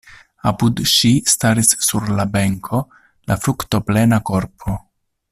Apud ŝi staris sur la benko la fruktoplena korpo.